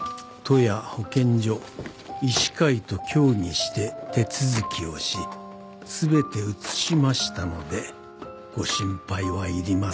都や保健所医師会と協議して手続きをし全て移しましたので御心配は要りません」